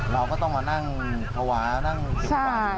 เราก็ต้องมานั่งภาวะนั่งกินหวาน